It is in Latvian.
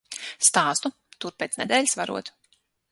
Stāstu, tur pēc nedēļas varot.